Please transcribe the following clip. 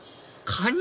カニ？